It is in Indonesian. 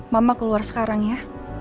mama keluar sekarang ya